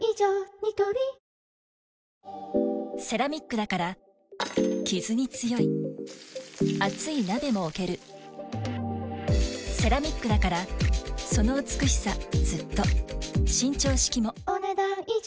ニトリセラミックだからキズに強い熱い鍋も置けるセラミックだからその美しさずっと伸長式もお、ねだん以上。